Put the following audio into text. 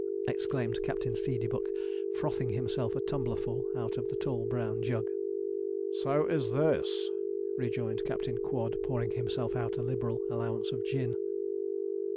exclaimed Captain Seedeybuck, frothing himself a tumblerful out of the tall brown jug. 'So is this,' rejoined Captain Quod, pouring himself out a liberal allowance of gin.